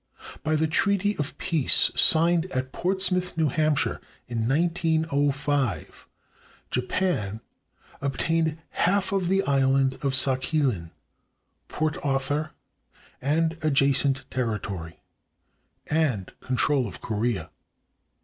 By the treaty of peace signed at Portsmouth, New Hampshire, in 1905, Japan obtained half of the island of Sakhalin, Port Arthur and adjacent territory, and control of Korea.